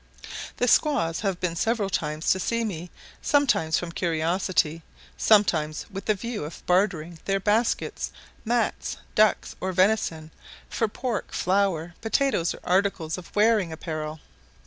The squaws have been several times to see me; sometimes from curiosity, sometimes with the view of bartering their baskets, mats, ducks, or venison, for pork, flour, potatoes, or articles of wearing apparel.